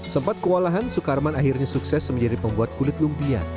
sempat kewalahan sukarman akhirnya sukses menjadi pembuat kulit lumpia